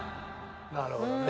なるほどね。